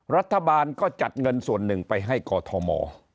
รัฐบาลก็จัดเงินส่วนหนึ่งไปให้กอทม